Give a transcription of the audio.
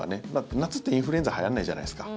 夏ってインフルエンザはやらないじゃないですか。